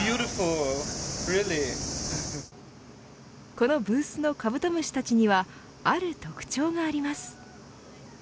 このブースのカブトムシたちにはある特徴があります。